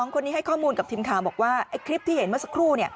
คนนี้ให้ข้อมูลกับทีมข่าวบอกว่าคลิปที่เห็นเมื่อสักครู่